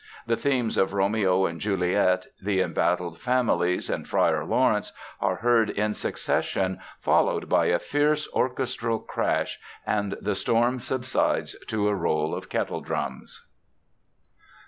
The themes of Romeo and Juliet, the embattled families, and Friar Laurence are heard in succession, followed by a fierce orchestral crash, and the storm subsides to a roll of kettledrums.